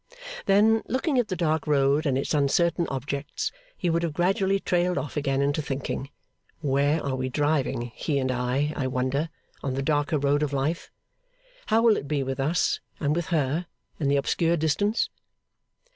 Then, looking at the dark road and its uncertain objects, he would have gradually trailed off again into thinking, 'Where are we driving, he and I, I wonder, on the darker road of life? How will it be with us, and with her, in the obscure distance?